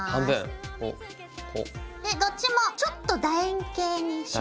でどっちもちょっとだ円形にします。